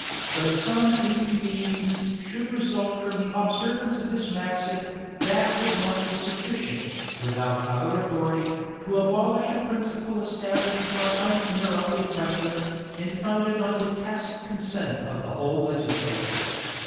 Though some inconveniencies should result from the observance of this maxim, that would not be sufficient, without other authority, to abolish a principle established by uninterrupted precedent, and founded on the tacit consent of the whole legislature.